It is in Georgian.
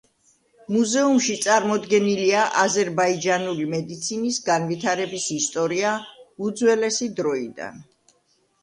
მუზეუმში წარმოდგენილია აზერბაიჯანული მედიცინის განვითარების ისტორია უძველესი დროიდან.